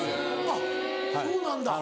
あっそうなんだ。